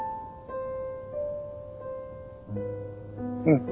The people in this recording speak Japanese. うん。